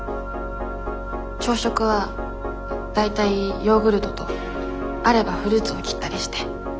朝食は大体ヨーグルトとあればフルーツを切ったりして。